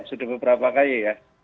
sudah beberapa kali ya